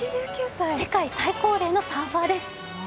世界最高齢のサーファーです。